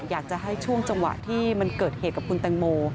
อยากจะให้ช่วงจังหวะที่มันเกิดเหตุกับคุณแตงโม